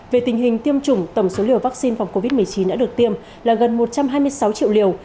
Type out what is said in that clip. về tình hình tiêm chủng tổng số liều vaccine phòng covid một mươi chín đã được tiêm là gần một trăm hai mươi sáu triệu liều